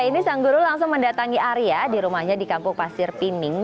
ini sang guru langsung mendatangi arya di rumahnya di kampung pasir pining